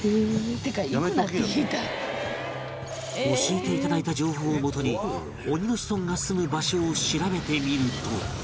教えていただいた情報をもとに鬼の子孫が住む場所を調べてみると